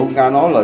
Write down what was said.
bố nga nói là